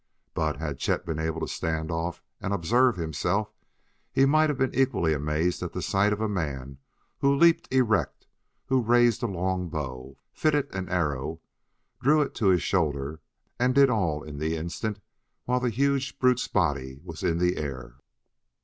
But, had Chet been able to stand off and observe himself, he might have been equally amazed at the sight of a man who leaped erect, who raised a long bow, fitted an arrow, drew it to his shoulder, and did all in the instant while the huge brute's body was in the air.